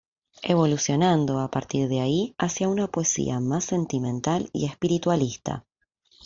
Evolucionando, a partir de ahí, hacia una poesía más sentimental y espiritualista.